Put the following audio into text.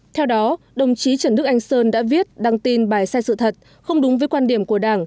theo đó đồng chí trần đức anh sơn đã viết đăng tin bài sai sự thật không đúng với quan điểm của đảng